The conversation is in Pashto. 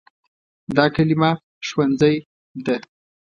دا کلمه “ښوونځی” ده.